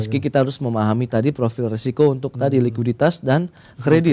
meski kita harus memahami tadi profil resiko untuk tadi likuiditas dan kredit